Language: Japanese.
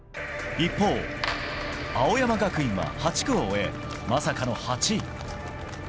一方、青山学院は８区を終え、まさかの８位。